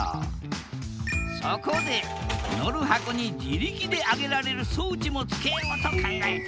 そこで乗る箱に自力で上げられる装置も付けようと考えた。